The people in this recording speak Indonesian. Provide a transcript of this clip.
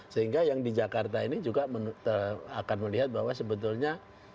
sehingga yang di jakarta ini juga akan melihat bahwa sebetulnya